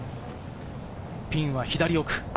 ピンは左奥。